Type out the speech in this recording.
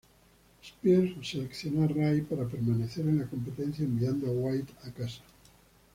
Spears seleccionó a Ray para permanecer en la competencia, enviando a White a casa.